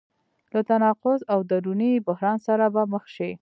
له تناقض او دروني بحران سره به مخ شي.